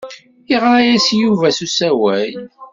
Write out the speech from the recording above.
Yeɣra-as i Yuba s usawal.